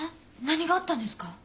何があったんですか？